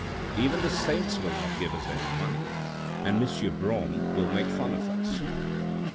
Even the saints will not give us any money, and M. Brougham will make fun of us.